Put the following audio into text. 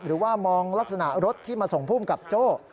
หรือว่ามองลักษณะรถที่มาส่งภูมิกับโจ้